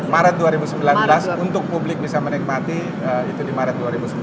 maret dua ribu sembilan belas untuk publik bisa menikmati itu di maret dua ribu sembilan belas